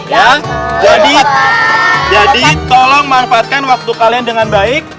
ya jadi tolong manfaatkan waktu kalian dengan baik